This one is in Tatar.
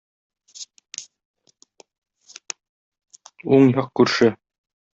Уң як күрше.